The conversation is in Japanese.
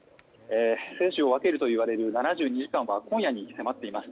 生死を分けるといわれる７２時間は今夜に迫っています。